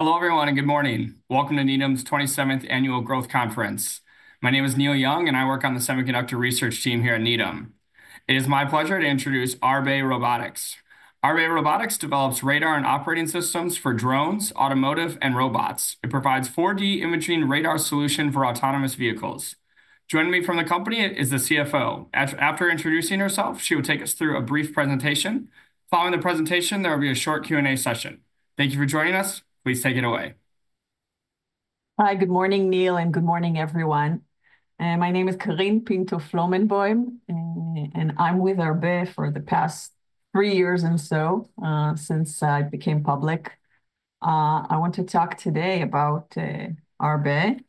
Hello everyone and good morning. Welcome to Needham's 27th Annual Growth Conference. My name is Neil Young, and I work on the Semiconductor Research Team here at Needham. It is my pleasure to introduce Arbe Robotics. Arbe Robotics develops radar and operating systems for drones, automotive, and robots. It provides 4D imaging radar solutions for autonomous vehicles. Joining me from the company is the CFO. After introducing herself, she will take us through a brief presentation. Following the presentation, there will be a short Q&A session. Thank you for joining us. Please take it away. Hi, good morning, Neil, and good morning, everyone. My name is Karine Pinto-Flomenboim, and I'm with Arbe for the past three years or so, since I became public. I want to talk today about Arbe,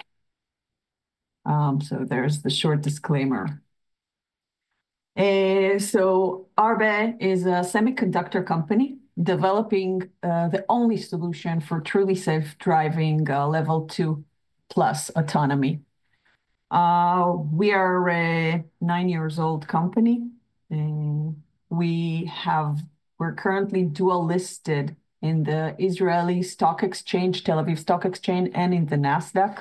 so there's the short disclaimer, so Arbe is a semiconductor company developing the only solution for truly safe driving level two plus autonomy. We are a nine-year-old company. We're currently dual-listed in the Israeli Stock Exchange, Tel Aviv Stock Exchange, and in the Nasdaq.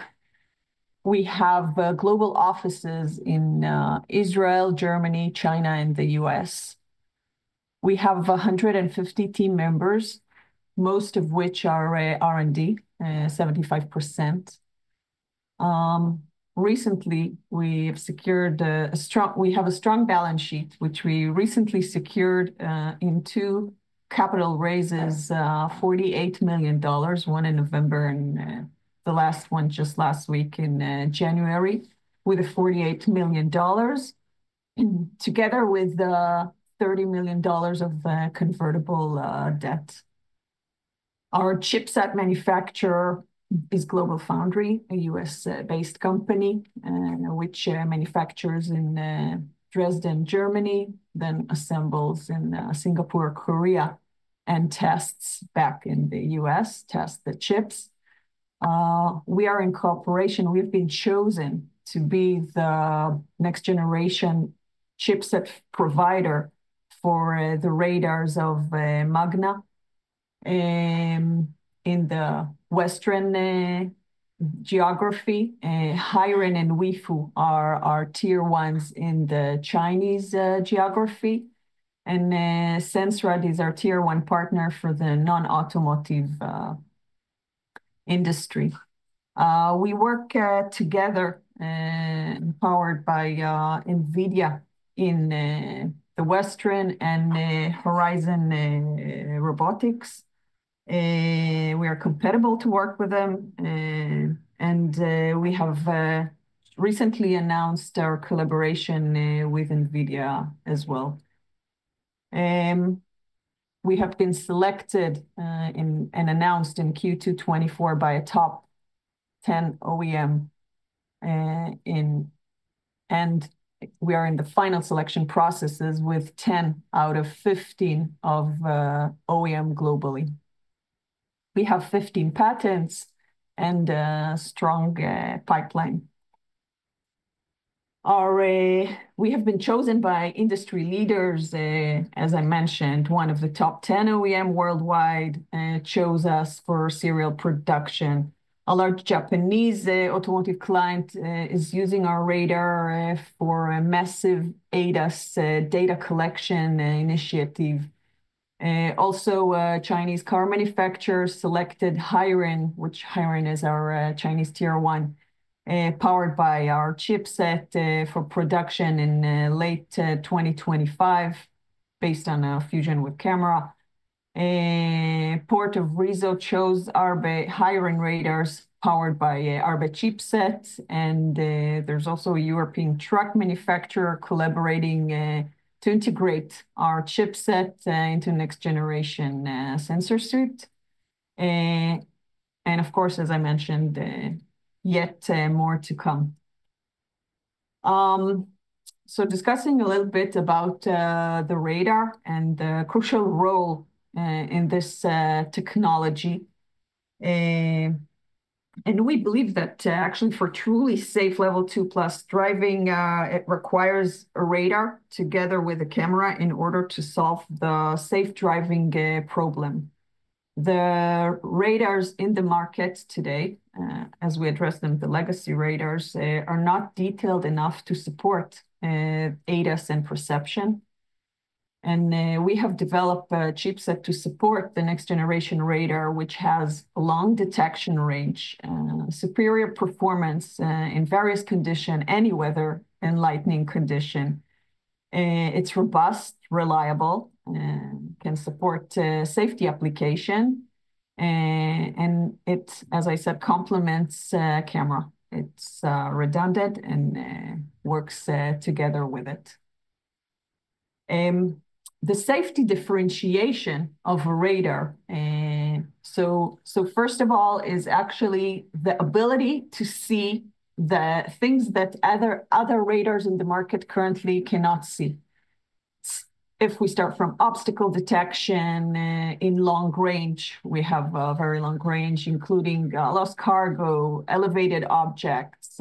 We have global offices in Israel, Germany, China, and the U.S. We have 150 team members, most of which are R&D, 75%. Recently, we have secured a strong balance sheet, which we recently secured in two capital raises, $48 million, one in November and the last one just last week in January, with $48 million together with $30 million of convertible debt. Our chipset manufacturer is GlobalFoundries, a U.S.-based company, which manufactures in Dresden, Germany, then assembles in Singapore, Korea, and tests back in the U.S., tests the chips. We are in cooperation. We've been chosen to be the next-generation chipset provider for the radars of Magna in the western geography. HiRain and Weifu are our Tier 1s in the Chinese geography. Sensrad is our Tier 1 partner for the non-automotive industry. We work together, powered by NVIDIA in the Western and Horizon Robotics. We are compatible to work with them, and we have recently announced our collaboration with NVIDIA as well. We have been selected and announced in Q2 2024 by a top 10 OEM, and we are in the final selection processes with 10 out of 15 of OEM globally. We have 15 patents and a strong pipeline. We have been chosen by industry leaders. As I mentioned, one of the top 10 OEMs worldwide chose us for serial production. A large Japanese automotive client is using our radar for a massive ADAS data collection initiative. Also, a Chinese car manufacturer selected HiRain, which HiRain is our Chinese Tier 1, powered by our chipset for production in late 2025, based on a fusion with camera. Port of Rizhao chose Arbe HiRain radars powered by Arbe chipsets. There's also a European truck manufacturer collaborating to integrate our chipset into next-generation sensor suite, and of course, as I mentioned, yet more to come, so discussing a little bit about the radar and the crucial role in this technology, and we believe that actually for truly safe Level 2+ driving, it requires a radar together with a camera in order to solve the safe driving problem. The radars in the market today, as we address them, the legacy radars are not detailed enough to support ADAS and perception, and we have developed a chipset to support the next-generation radar, which has a long detection range, superior performance in various conditions, any weather and lighting condition. It's robust, reliable, can support safety application, and it, as I said, complements camera. It's redundant and works together with it. The safety differentiation of a radar, so first of all, is actually the ability to see the things that other radars in the market currently cannot see. If we start from obstacle detection in long-range, we have a very long-range, including lost cargo, elevated objects,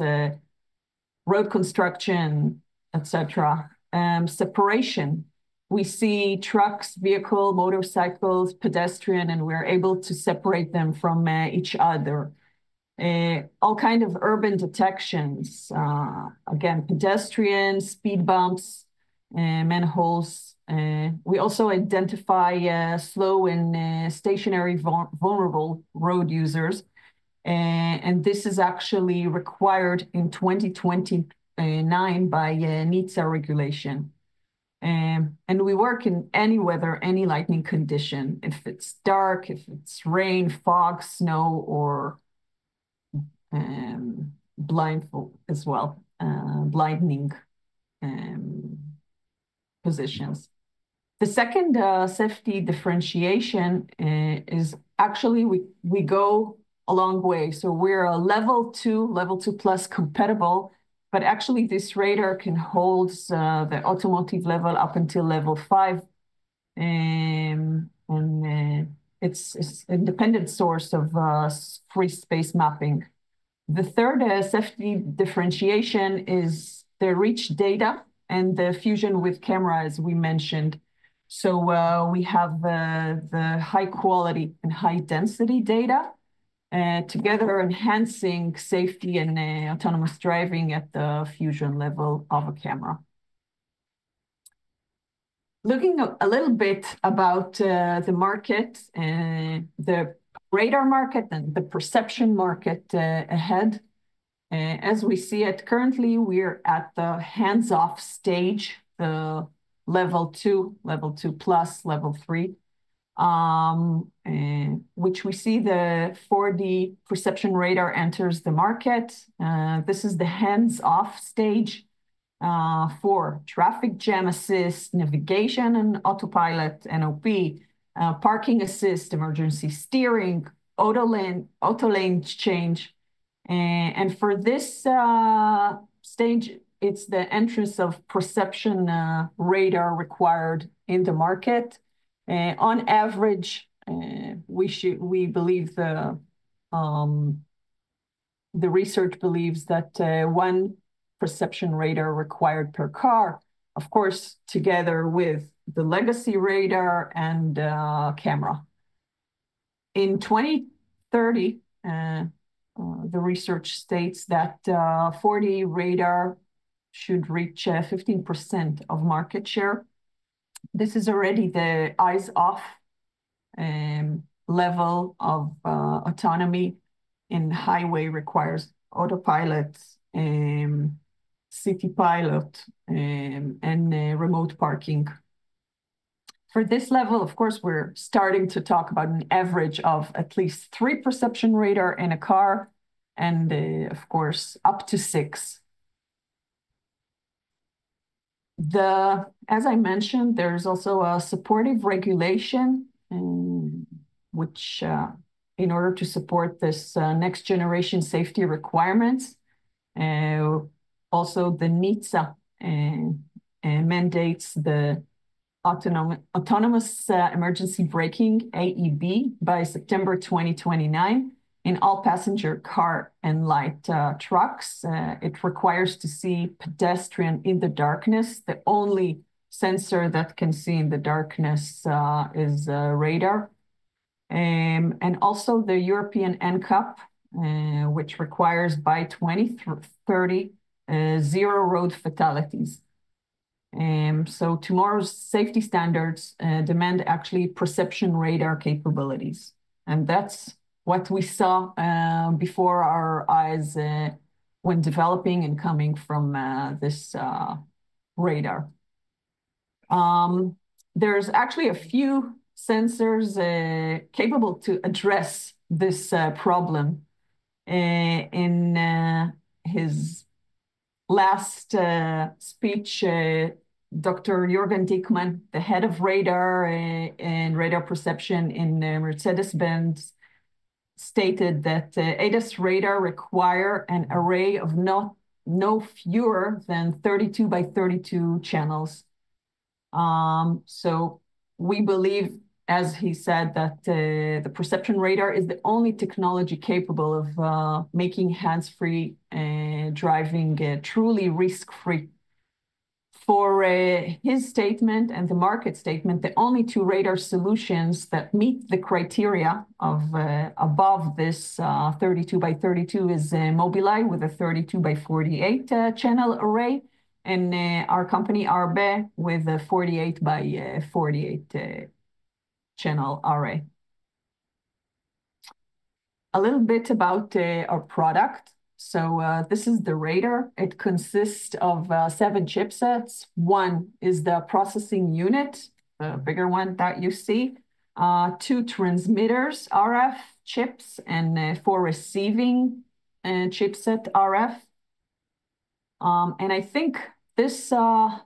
road construction, et cetera. Separation, we see trucks, vehicles, motorcycles, pedestrians, and we're able to separate them from each other. All kinds of urban detections, again, pedestrians, speed bumps, manholes. We also identify slow and stationary vulnerable road users, and this is actually required in 2029 by NHTSA regulation. We work in any weather, any lighting condition, if it's dark, if it's rain, fog, snow, or blinding as well, blinding conditions. The second safety differentiation is actually we go a long way, so we're Level 2, Level 2+ compatible, but actually this radar can hold the automotive level up until Level 5, and it's an independent source of free space mapping. The third safety differentiation is the rich data and the fusion with camera, as we mentioned, so we have the high-quality and high-density data together enhancing safety and autonomous driving at the fusion level of a camera. Looking a little bit about the market, the radar market and the perception market ahead. As we see it currently, we're at the hands-off stage, the Level 2, Level 2+, Level 3, which we see the 4D perception radar enters the market. This is the hands-off stage for traffic jam assist, navigation and autopilot, NOP, parking assist, emergency steering, auto lane change. For this stage, it's the entrance of perception radar required in the market. On average, we believe the research believes that one perception radar required per car, of course, together with the legacy radar and camera. In 2030, the research states that 4D radar should reach 15% of market share. This is already the eyes-off level of autonomy in highway requires autopilot, city pilot, and remote parking. For this level, of course, we're starting to talk about an average of at least three perception radar in a car, and of course, up to six. As I mentioned, there's also a supportive regulation which, in order to support this next-generation safety requirements, also the NHTSA mandates the autonomous emergency braking, AEB, by September 2029 in all passenger car and light trucks. It requires to see pedestrian in the darkness. The only sensor that can see in the darkness is radar, and also the European NCAP, which requires by 2030 zero road fatalities, so tomorrow's safety standards demand actually perception radar capabilities, and that's what we saw before our eyes when developing and coming from this radar. There's actually a few sensors capable to address this problem. In his last speech, Dr. Jürgen Dickmann, the head of radar and radar perception in Mercedes-Benz, stated that ADAS radar requires an array of no fewer than 32 by 32 channels. We believe, as he said, that the perception radar is the only technology capable of making hands-free driving truly risk-free. For his statement and the market statement, the only two radar solutions that meet the criteria above this 32 by 32 is Mobileye with a 32 by 48 channel array, and our company Arbe with a 48 by 48 channel array. A little bit about our product. This is the radar. It consists of seven chipsets. One is the processing unit, the bigger one that you see, two transmitters, RF chips, and four receiving chipset, RF. I think this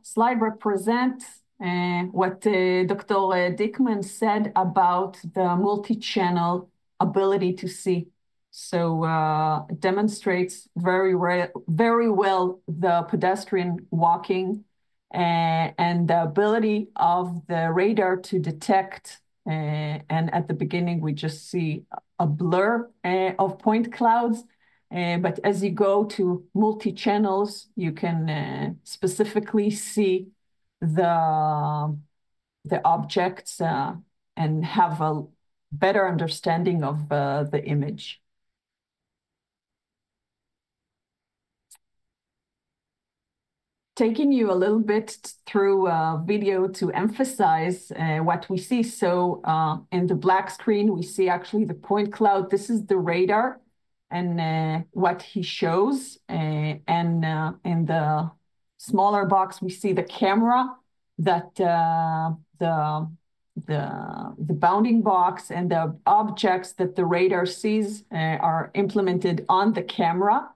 slide represents what Dr. Dickmann said about the multi-channel ability to see. It demonstrates very well the pedestrian walking and the ability of the radar to detect. At the beginning, we just see a blur of point clouds. But as you go to multi-channels, you can specifically see the objects and have a better understanding of the image. Taking you a little bit through video to emphasize what we see. So in the black screen, we see actually the point cloud. This is the radar and what he shows. And in the smaller box, we see the camera that the bounding box and the objects that the radar sees are implemented on the camera.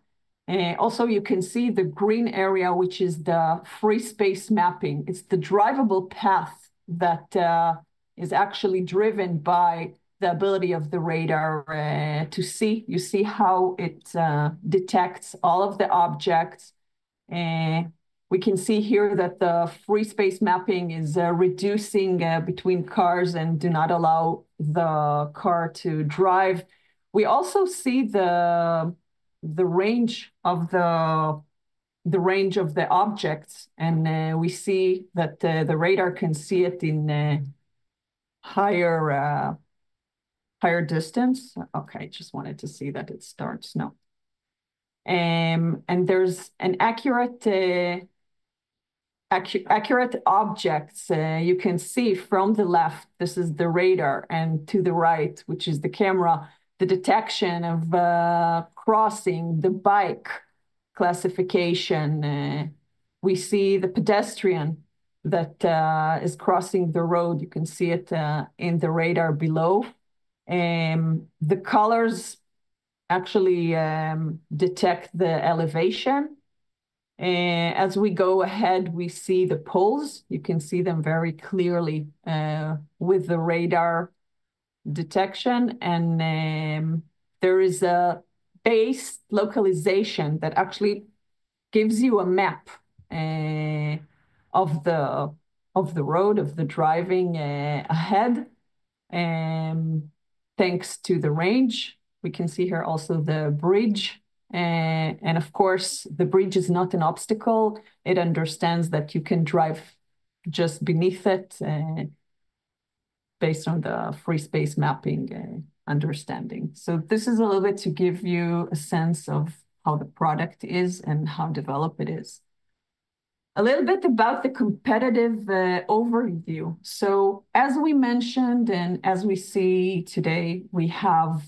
Also, you can see the green area, which is the free space mapping. It's the drivable path that is actually driven by the ability of the radar to see. You see how it detects all of the objects. We can see here that the free space mapping is reducing between cars and does not allow the car to drive. We also see the range of the objects, and we see that the radar can see it in higher distance. Okay, I just wanted to see that it starts now, and there's an accurate objects you can see from the left. This is the radar and to the right, which is the camera, the detection of crossing the bike classification. We see the pedestrian that is crossing the road. You can see it in the radar below. The colors actually detect the elevation. As we go ahead, we see the poles. You can see them very clearly with the radar detection, and there is a base localization that actually gives you a map of the road of the driving ahead. Thanks to the range, we can see here also the bridge, and of course, the bridge is not an obstacle. It understands that you can drive just beneath it based on the free space mapping understanding, so this is a little bit to give you a sense of how the product is and how developed it is. A little bit about the competitive overview, so as we mentioned and as we see today, we have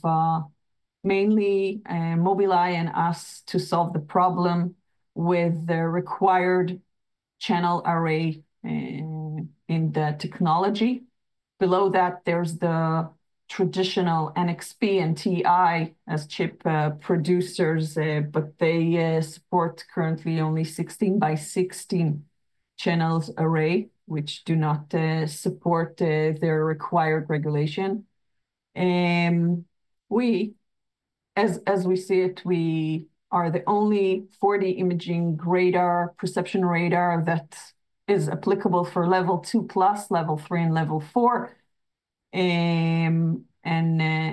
mainly Mobileye and us to solve the problem with the required channel array in the technology. Below that, there's the traditional NXP and TI as chip producers, but they support currently only 16 by 16 channels array, which do not support their required regulation. As we see it, we are the only 4D imaging radar perception radar that is applicable for level two plus, level three, and level four, and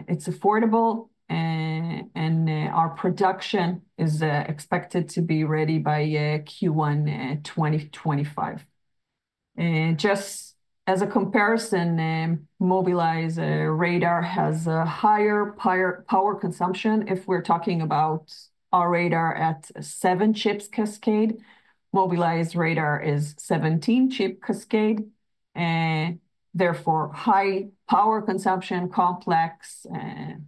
it's affordable, and our production is expected to be ready by Q1 2025. Just as a comparison, Mobileye's radar has a higher power consumption. If we're talking about our radar at seven-chip cascade, Mobileye's radar is 17-chip cascade. Therefore, high power consumption, complex, and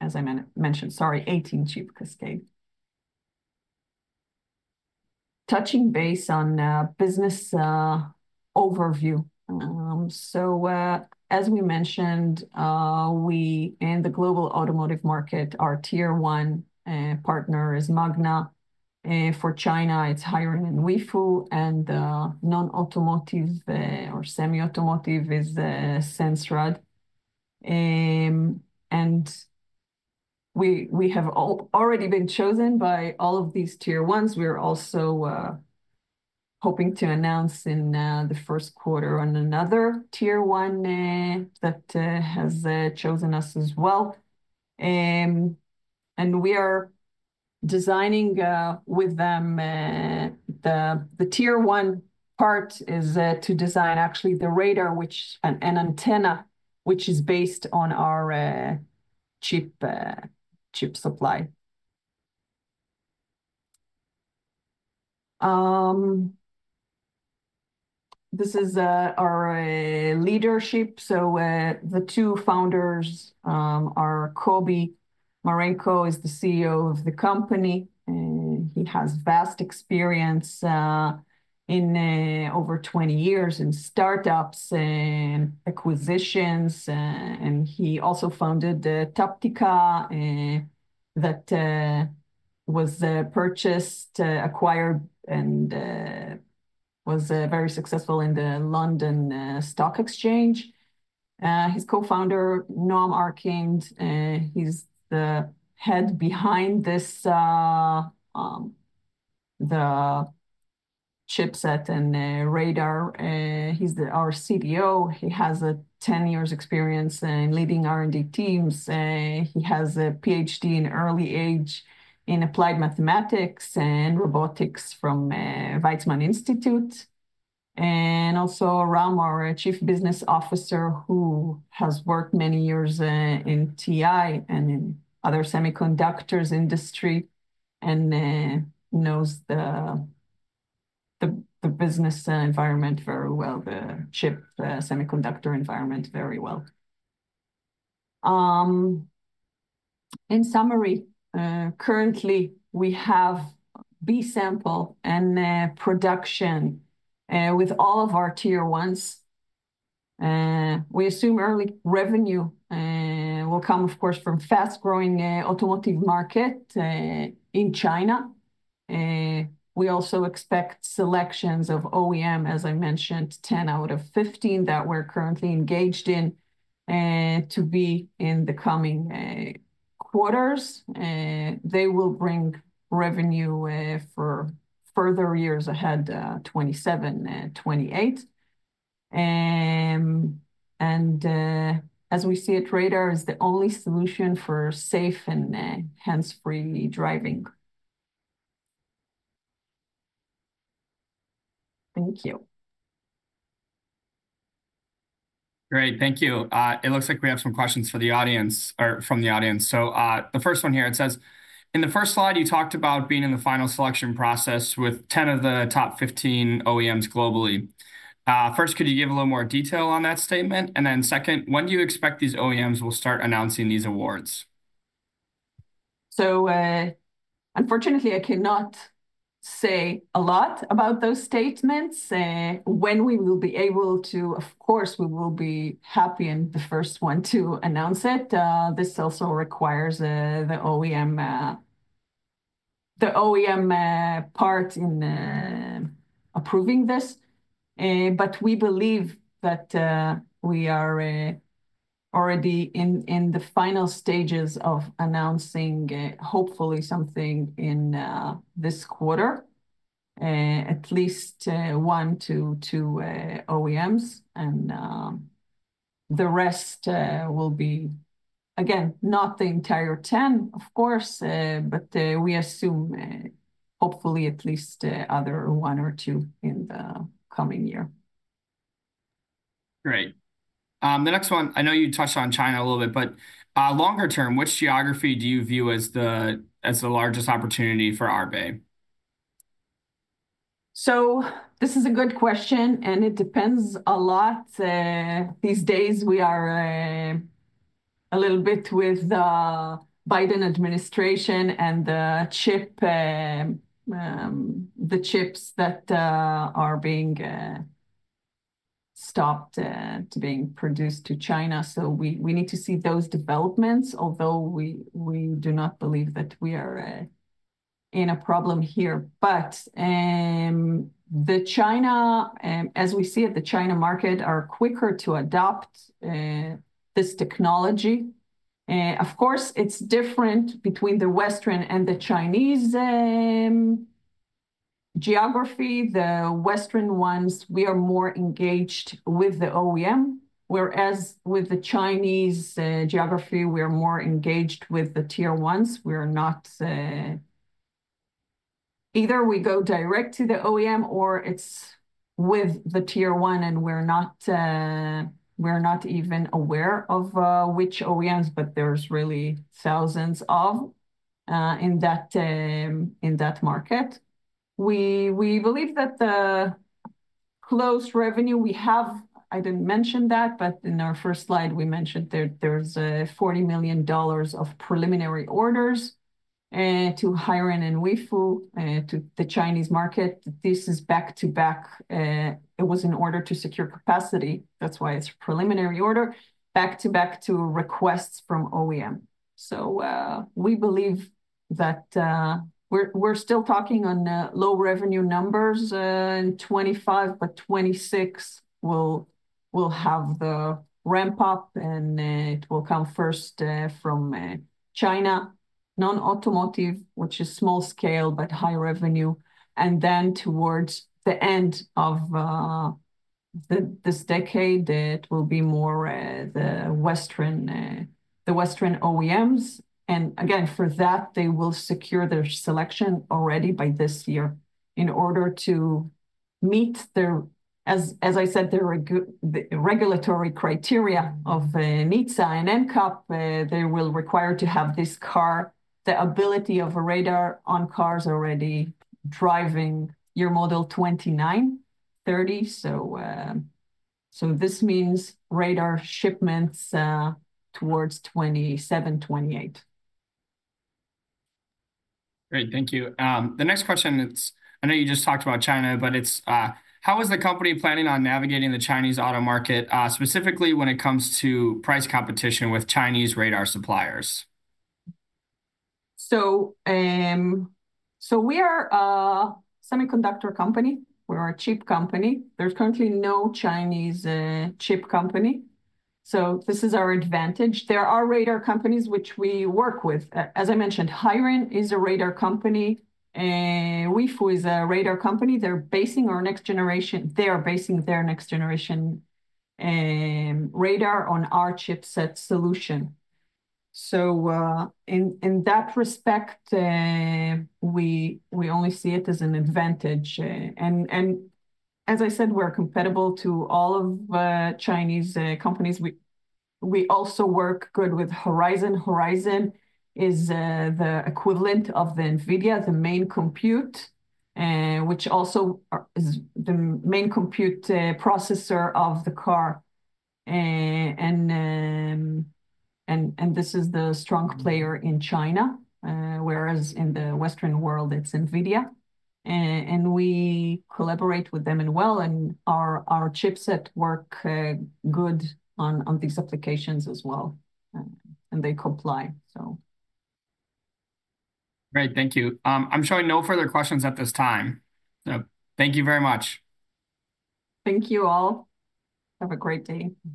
as I mentioned, sorry, 18-chip cascade. Touching base on business overview. So as we mentioned, we in the global automotive market, our Tier 1 partner is Magna. For China, it's HiRain and Weifu, and non-automotive or semi-automotive is Sensrad. And we have already been chosen by all of these Tier 1s. We are also hoping to announce in the first quarter another Tier 1 that has chosen us as well. And we are designing with them. The Tier 1 part is to design actually the radar and antenna, which is based on our chip supply. This is our leadership. So the two founders are Kobi Marenko, who is the CEO of the company. He has vast experience in over 20 years in startups and acquisitions. He also founded Taptica that was purchased, acquired, and was very successful in the London Stock Exchange. His co-founder, Noam Arkind, he's the head behind the chipset and radar. He is our CTO. He has 10 years' experience in leading R&D teams. He has a PhD at an early age in applied mathematics and robotics from Weizmann Institute. Ram, our Chief Business Officer, who has worked many years in TI and in other semiconductor industry and knows the business environment very well, the chip semiconductor environment very well. In summary, currently we have B-sample and production with all of our Tier 1s. We assume early revenue will come, of course, from fast-growing automotive market in China. We also expect selections of OEM, as I mentioned, 10 out of 15 that we're currently engaged in to be in the coming quarters. They will bring revenue for further years ahead, 2027 and 2028. And as we see it, radar is the only solution for safe and hands-free driving. Thank you. Great. Thank you. It looks like we have some questions from the audience. So the first one here, it says, in the first slide, you talked about being in the final selection process with 10 of the top 15 OEMs globally. First, could you give a little more detail on that statement? And then second, when do you expect these OEMs will start announcing these awards? So unfortunately, I cannot say a lot about those statements. When we will be able to, of course, we will be happy in the first one to announce it. This also requires the OEM part in approving this. But we believe that we are already in the final stages of announcing, hopefully, something in this quarter, at least one to two OEMs. And the rest will be, again, not the entire 10, of course, but we assume, hopefully, at least other one or two in the coming year. Great. The next one, I know you touched on China a little bit, but longer term, which geography do you view as the largest opportunity for Arbe? So this is a good question, and it depends a lot. These days, we are a little bit with the Biden Administration and the chips that are being stopped to being produced to China. So we need to see those developments, although we do not believe that we are in a problem here. But as we see it, the China market is quicker to adopt this technology. Of course, it's different between the Western and the Chinese geography. The Western ones, we are more engaged with the OEM, whereas with the Chinese geography, we are more engaged with the Tier 1s. Either we go direct to the OEM or it's with the Tier 1, and we're not even aware of which OEMs, but there's really thousands of OEMs in that market. We believe that the closed revenue we have, I didn't mention that, but in our first slide, we mentioned there's $40 million of preliminary orders to HiRain and Weifu to the Chinese market. This is back to back. It was in order to secure capacity. That's why it's a preliminary order, back to back to requests from OEM. We believe that we're still talking on low revenue numbers in 2025, but 2026 will have the ramp up, and it will come first from China, non-automotive, which is small scale, but high revenue. Again, for that, they will secure their selection already by this year in order to meet their, as I said, the regulatory criteria of NHTSA and NCAP. They will require to have this car, the ability of a radar on cars already driving year model 2030. This means radar shipments towards 2027, 2028. Great. Thank you. The next question, I know you just talked about China, but how is the company planning on navigating the Chinese auto market, specifically when it comes to price competition with Chinese radar suppliers? We are a semiconductor company. We're a chip company. There's currently no Chinese chip company. So this is our advantage. There are radar companies which we work with. As I mentioned, HiRain is a radar company. Weifu is a radar company. They're basing our next generation. They are basing their next-generation radar on our chipset solution. So in that respect, we only see it as an advantage. And as I said, we're compatible to all of Chinese companies. We also work good with Horizon. Horizon is the equivalent of the NVIDIA, the main compute, which also is the main compute processor of the car. And this is the strong player in China, whereas in the Western world, it's NVIDIA. And we collaborate with them as well. And our chipset works good on these applications as well. And they comply, so. Great. Thank you. I'm showing no further questions at this time. Thank you very much. Thank you all. Have a great day.